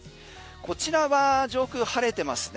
こちらは上空晴れてますね。